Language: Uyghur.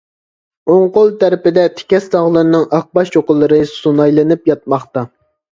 ئوڭ قول تەرىپىدە تېكەس تاغلىرىنىڭ ئاقباش چوققىلىرى سۇنايلىنىپ ياتماقتا.